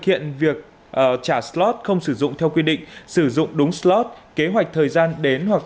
hiện việc trả slot không sử dụng theo quy định sử dụng đúng slot kế hoạch thời gian đến hoặc